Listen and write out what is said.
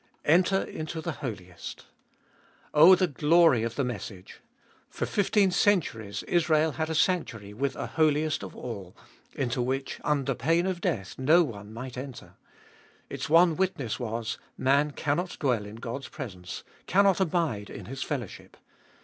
Enter into the Holiest. Oh, the glory of the message. For fifteen centuries Israel had a sanctuary with a Holiest of All into which, under pain of death, no one might enter. Its one witness was : man cannot dwell in God's presence, cannot abide in His fellowship.